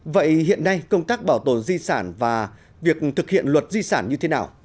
vậy hiện nay công tác bảo tồn di sản và việc thực hiện luật di sản như thế nào